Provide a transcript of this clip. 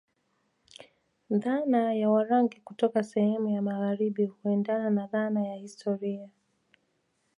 Dhana ya Warangi kutoka sehemu za magharibi huendena na dhana ya historia